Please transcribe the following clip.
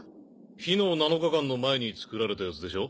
「火の７日間」の前に造られたやつでしょ？